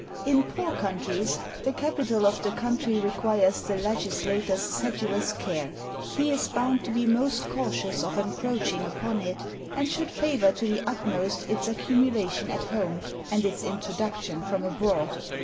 In poor countries, the capital of the country requires the legislator's sedulous care; he is bound to be most cautious of encroaching upon it, and should favor to the utmost its accumulation at home, and its introduction from abroad.